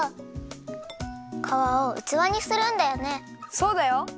そうだよ！